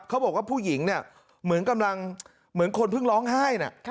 เพราะว่าผู้หญิงเหมือนคนเพิ่งร้องไห้